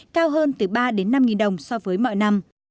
cao hơn từ ba đến năm đồng so với mọi năm